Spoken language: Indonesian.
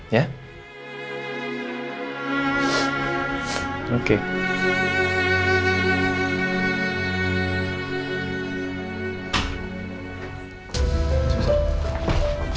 jangan jadilah sama papa